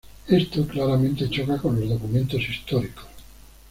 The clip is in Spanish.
Esto claramente choca con los documentos históricos.